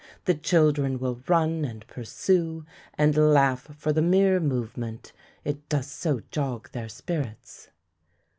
The children will run and pursue, and laugh for the mere movement it does so jog their spirits.